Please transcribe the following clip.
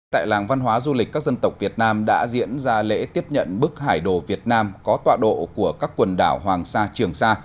tại làng văn hóa du lịch các dân tộc việt nam đã diễn ra lễ tiếp nhận bức hải đồ việt nam có tọa độ của các quần đảo hoàng sa trường sa